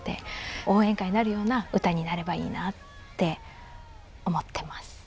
応援歌になるような歌になればいいなって思ってます。